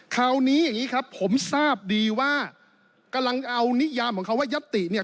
คราวนี้อย่างนี้ครับผมทราบดีว่ากำลังเอานิยามของเขาว่ายัตติเนี่ย